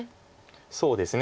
そうですね。